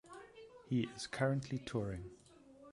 He is currently touring.